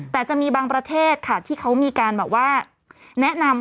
แต่จะมีบางประเทศที่เขามีการแนะนำ